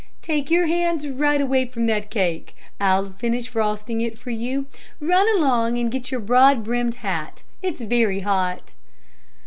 "Take your hands right away from that cake. I'll finish frosting it for you. Run along and get your broad brimmed hat. It's very hot."